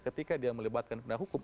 ketika dia melebatkan pendah hukum